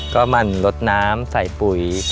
ก็มันลดน้ำใส่ปุ๋ย